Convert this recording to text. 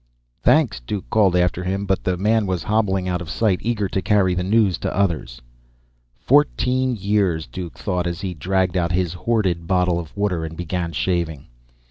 "Thanks," Duke called after him, but the man was hobbling out of sight, eager to carry the good news to others. Fourteen years, Duke thought as he dragged out his hoarded bottle of water and began shaving.